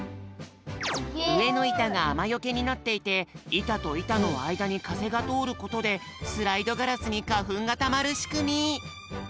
うえのいたがあまよけになっていていたといたのあいだにかぜがとおることでスライドガラスにかふんがたまるしくみ。